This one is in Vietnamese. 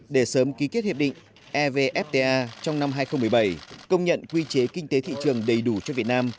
để sớm ký kết hiệp định evfta trong năm hai nghìn một mươi bảy công nhận quy chế kinh tế thị trường đầy đủ cho việt nam